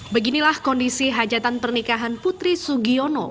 beginilah kondisi hajatan pernikahan putri sugiono